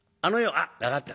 「あっ分かった。